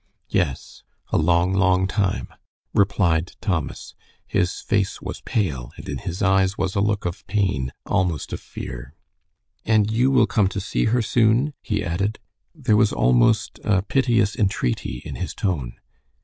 "Yes, a long, long time," replied Thomas. His face was pale, and in his eyes was a look of pain, almost of fear. "And you will come to see her soon?" he added. There was almost a piteous entreaty in his tone.